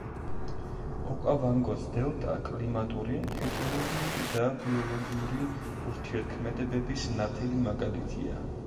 ოკავანგოს დელტა კლიმატური, ჰიდროლოგიური და ბიოლოგიური ურთიერთქმედების ნათელი მაგალითია.